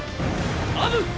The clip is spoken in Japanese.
アブ！